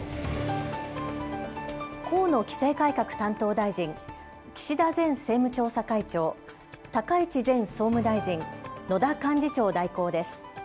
河野規制改革担当大臣、岸田前政務調査会長、高市前総務大臣、野田幹事長代行です。